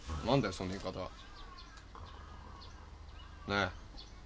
その言い方ねえ？